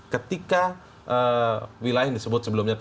ketika wilayah yang disebut sebelumnya